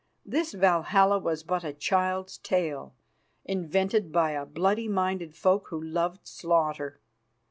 This Valhalla was but a child's tale, invented by a bloody minded folk who loved slaughter.